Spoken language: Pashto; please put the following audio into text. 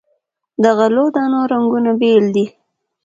د غلو دانو رنګونه بیل دي.